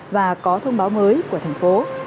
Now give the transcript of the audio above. và có thông báo mới của thành phố